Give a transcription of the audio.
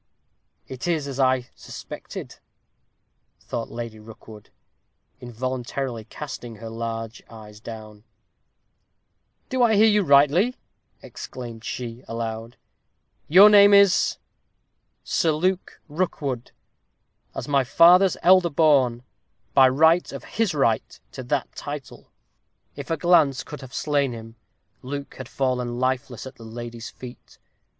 "Soh! it is as I suspected," thought Lady Rookwood, involuntarily casting her large eyes down. "Do I hear you rightly?" exclaimed she, aloud; "your name is " "Sir Luke Rookwood. As my father's elder born; by right of his right to that title." If a glance could have slain him, Luke had fallen lifeless at the lady's feet.